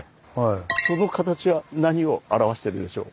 その形は何を表してるでしょう？